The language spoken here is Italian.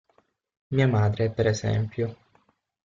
Mia madre, per esempio.